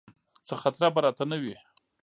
څه خطره به راته نه وي.